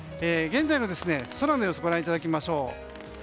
現在の空の様子ご覧いただきましょう。